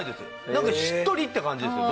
なんかしっとりって感じですよ